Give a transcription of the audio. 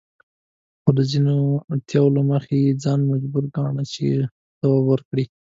خو د ځینو اړتیاوو له مخې یې ځان مجبور ګاڼه چې ځواب ورکړي.